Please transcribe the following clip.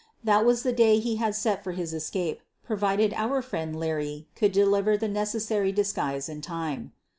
That was the day he had set for his escape, provided our friend Leary could deliver the necessary disguise in time.